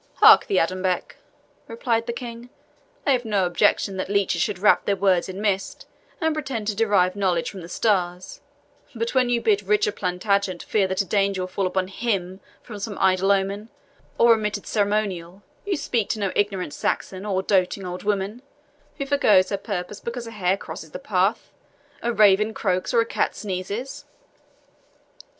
"Hark thee, Adonbec," replied the King, "I have no objection that leeches should wrap their words in mist, and pretend to derive knowledge from the stars; but when you bid Richard Plantagenet fear that a danger will fall upon HIM from some idle omen, or omitted ceremonial, you speak to no ignorant Saxon, or doting old woman, who foregoes her purpose because a hare crosses the path, a raven croaks, or a cat sneezes."